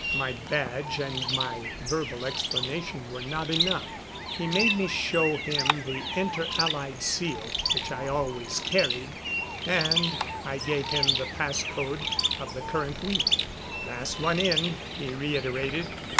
My badge and my verbal explanation were not enough. He made me show him the Inter Allied seal which I always carried, and I gave him the pass code of the current week. "Last one in," he reiterated.